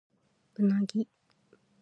うなぎ